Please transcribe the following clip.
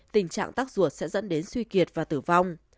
tình trạng tắc ruột sẽ dẫn đến suy kiệt và tử vong